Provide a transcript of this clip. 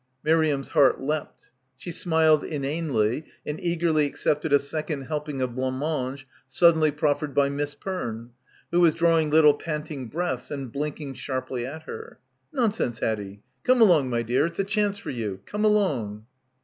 Miriam's heart leapt. She smiled inanely and eagerly accepted a second helping of blancmange suddenly proffered by Miss Perne, who was draw ing little panting breaths and blinking sharply at her. "Nonsense, Haddie. Come along, my dear, it's a chance for you. Come along."